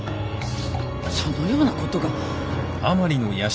そのようなことが。